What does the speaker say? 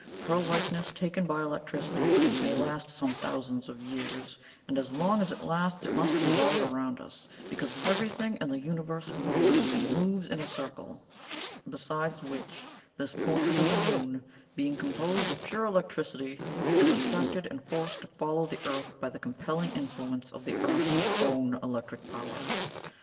Her likeness, taken by electricity, may last some thousands of years, and as long as it lasts it must revolve around us, because everything in the universe moves, and moves in a circle. Besides which, this portrait of the moon being composed of pure electricity, is attracted and forced to follow the Earth by the compelling influence of the Earth's own electric power.